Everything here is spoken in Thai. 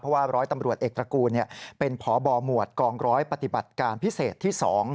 เพราะว่าร้อยตำรวจเอกตระกูลเป็นพบหมวดกองร้อยปฏิบัติการพิเศษที่๒